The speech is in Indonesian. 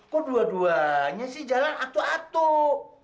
kok dua duanya sih jalan atuk atuk